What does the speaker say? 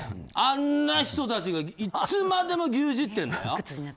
あんな人たちがいつまでも牛耳ってるんだよ。